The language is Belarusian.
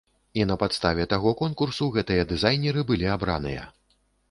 І на падставе таго конкурсу, гэтыя дызайнеры былі абраныя.